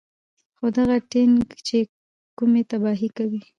خو دغه ټېنک چې کومې تباهۍ کوي